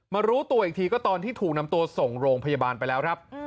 รู้ตัวอีกทีก็ตอนที่ถูกนำตัวส่งโรงพยาบาลไปแล้วครับ